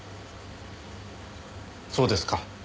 そうですか。